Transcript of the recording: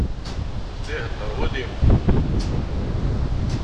La ihedder wul-iw.